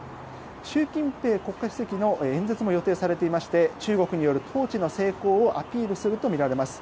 習近平国家主席の演説も予定されていまして中国による統治の成功をアピールするとみられます。